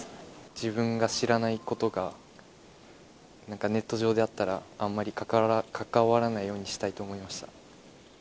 自分が知らないことが、なんかネット上であったら、あんまり関わらないようにしたいと思いました。